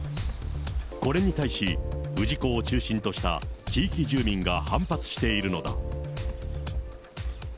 これに対し、氏子を中心とした地域住民が反発しているのだ。